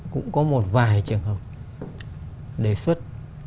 cũng có một vài trường hợp đề xuất